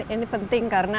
ini penting karena